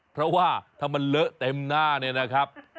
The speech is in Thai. เพราะว่าถ้ามันเลอะเต็มหน้าเนี่ยนะครับ